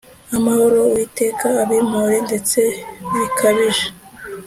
amahoro Uwiteka abimpore ndetse bikabije